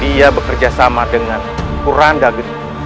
dia bekerjasama dengan kuranda gede